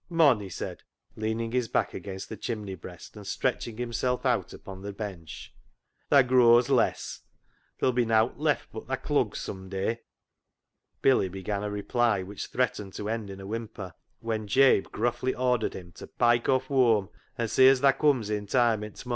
" Mon," he said, leaning his back against the chimney breast, and stretching himself out upon the bench, " tha grows less. There'll be nowt left but thy clugs sum day." Billy began a reply which threatened to end in a whimper, when Jabe gruffly ordered him to " pike off whoam, and see as tha cums i' time i' t' mornin'."